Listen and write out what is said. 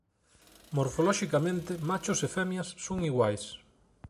Morfoloxicamente machos e femias son iguais.